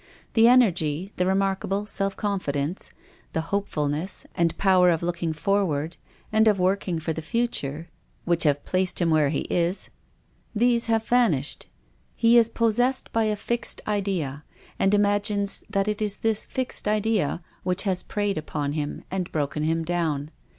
The energy, the remarkable self confidence, the hopefulness and power of looking forward, and of working for the future, which have placed him where he is — these have vanished. He is possessed by a fixed idea, and imagines that it is this fixed idea which has preyed upon him and broken him down.